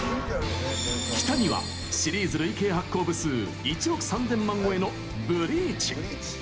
キタニは、シリーズ累計発行部数１億３０００万超えの「ＢＬＥＡＣＨ」。